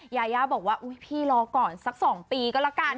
ยาย่าบอกว่าพี่รอก่อนสักสองปีก็ละกัน